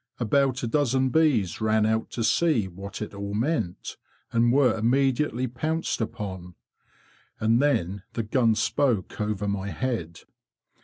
About a dozen bees ran out to see what it all meant, and were immediately pounced upon. And then the gun spoke over my head.